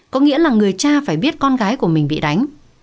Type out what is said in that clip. có nghĩa là người cha phải biết con gái của mình bị đánh